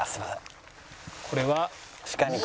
これは？